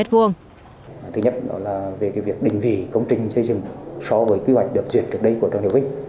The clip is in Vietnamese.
thứ nhất là về việc định vị công trình xây dựng so với kế hoạch được duyệt trước đây của trường đại học vinh